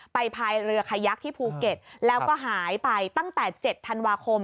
พายเรือขยักที่ภูเก็ตแล้วก็หายไปตั้งแต่๗ธันวาคม